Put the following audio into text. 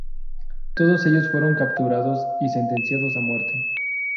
Todos ellos fueron capturados y sentenciados a muerte.